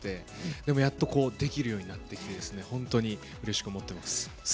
でもやっとできるようになって本当にうれしく思っています。